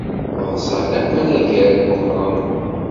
Ḍsan akk anagar Meqqran.